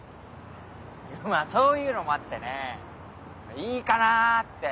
まぁそういうのもあってねいいかなって。